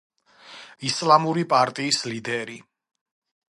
ისლამური პარტიის ლიდერი.